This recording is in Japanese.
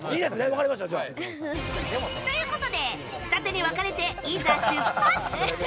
分かりました、じゃあ。ということで二手に分かれて、いざ出発！